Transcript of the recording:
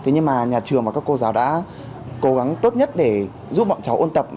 thế nhưng mà nhà trường và các cô giáo đã cố gắng tốt nhất để giúp bọn cháu ôn tập